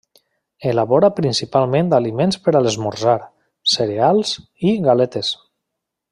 Elabora principalment aliments per a l'esmorzar, cereals i galetes.